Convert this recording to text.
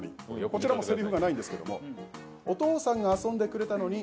こちらも、せりふがないんですけれども。